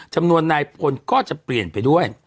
จำนวนนายพลก็จะเปลี่ยนไปด้วย